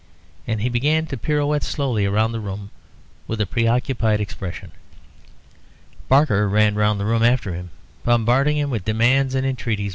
And he began to pirouette slowly round the room with a preoccupied expression. Barker ran round the room after him, bombarding him with demands and entreaties.